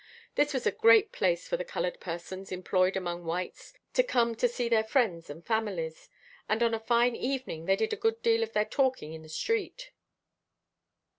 This was a great place for the coloured persons employed among whites to come to see their friends and families, and on a fine evening they did a good deal of their talking in the street.